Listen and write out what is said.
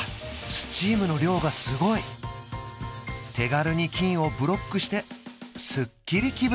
スチームの量がすごい手軽に菌をブロックしてすっきり気分！